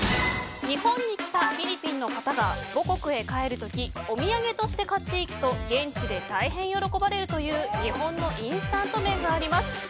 日本に来たフィリピンの方が母国へ帰る時お土産として買っていくと現地で大変喜ばれるという日本のインスタント麺があります。